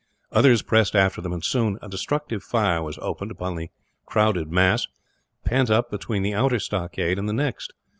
Others pressed after them and, soon, a destructive fire was opened upon the crowded mass, pent up between the outer stockade and the next.